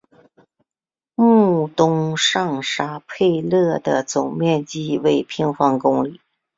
穆东上沙佩勒的总面积为平方公里。